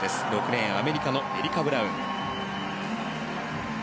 ６レーンアメリカのエリカ・ブラウン。